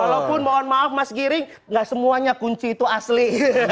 walaupun mohon maaf mas giring nggak semuanya kunci itu asli